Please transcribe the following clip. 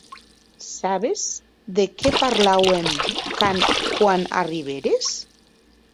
Sabes de qué parlàuem quan arribères?